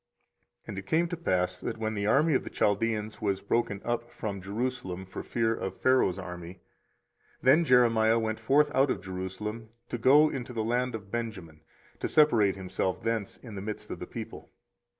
24:037:011 And it came to pass, that when the army of the Chaldeans was broken up from Jerusalem for fear of Pharaoh's army, 24:037:012 Then Jeremiah went forth out of Jerusalem to go into the land of Benjamin, to separate himself thence in the midst of the people.